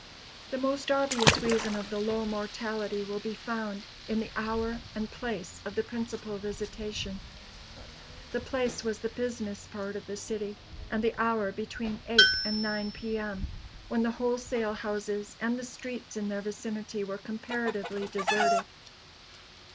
The most obvious reason of the low mortality will be found in the hour and place of the principal visitation. The place was the business part of the city, and the hour between eight and nine P.M., when the wholesale houses and the streets in their vicinity were comparatively deserted.